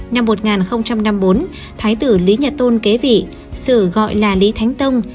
năm một nghìn năm mươi bốn thái tử lý nhật tôn kế vị sử gọi là lý thánh tông